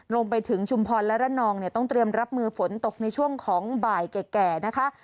ลงไปถึงชุมพรและระนองเนี่ยต้องเตรียมรับมือฝนตกในช่วงของบ่ายแก่นะคะ